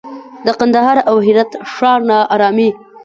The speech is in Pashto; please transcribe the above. د کندهار او هرات ښار ناارامي